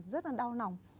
rất là đau nòng